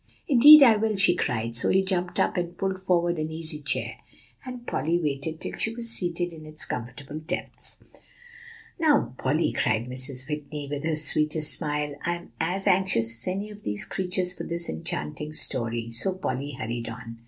"Indeed I will," she cried; so he jumped up, and pulled forward an easy chair, and Polly waited till she was seated in its comfortable depths. "Now, Polly," said Mrs. Whitney, with her sweetest smile, "I am as anxious as any of these young creatures for this enchanting story." So Polly hurried on.